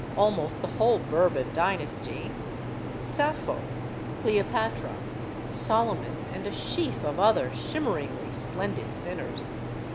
almost the whole Bourbon dynasty, Sappho, Cleopatra, Solomon, and a sheaf of other shimmeringly splendid sinners.